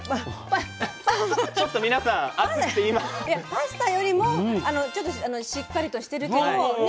パスタよりもちょっとしっかりとしてるけどね